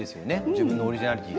自分のオリジナルで。